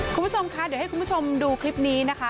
คุณผู้ชมคะเดี๋ยวให้คุณผู้ชมดูคลิปนี้นะคะ